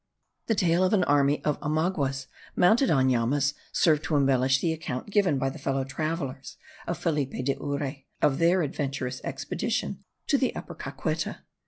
The table of an army of Omaguas mounted on llamas served to embellish the account given by the fellow travellers of Felipe de Urre of their adventurous expedition to the Upper Caqueta.